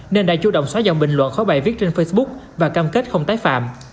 nên đã chủ động xóa dòng bình luận khó bài viết trên facebook và cam kết không tái phạm